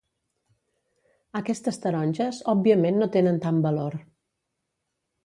Aquestes taronges òbviament no tenen tant valor.